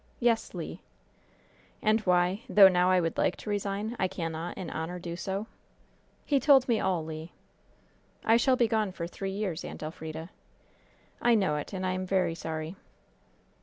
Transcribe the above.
"Yes, Le." "And why, though now I would like to resign, I cannot, in honor, do so?" "He told me all, Le." "I shall be gone for three years, Aunt Elfrida." "I know it, and I am very sorry."